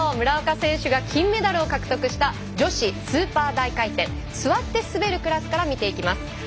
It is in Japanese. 村岡選手が金メダルを獲得した女子スーパー大回転座って滑るクラスから見ていきます。